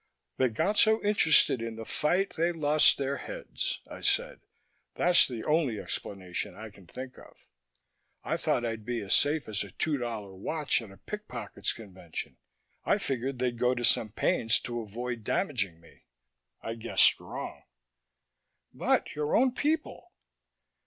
"They got so interested in the fight, they lost their heads," I said. "That's the only explanation I can think of. I thought I'd be as safe as a two dollar watch at a pickpockets' convention: I figured they'd go to some pains to avoid damaging me. I guessed wrong." "But your own people...."